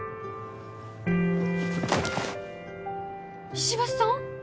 石橋さん！？